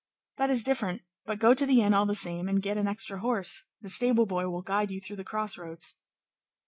"That is different; but go to the inn all the same, and get an extra horse; the stable boy will guide you through the crossroads."